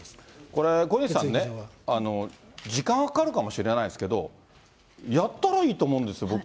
これ、小西さんね、時間はかかるかもしれないですけれども、やったらいいと思うんです、僕。